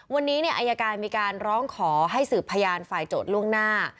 วันนี้อายการมีการร้องขอให้สืบพยานฝ่ายโจทย์ล่วงหน้า